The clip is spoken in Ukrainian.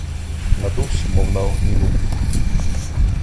Надувсь, мов на огні лопух.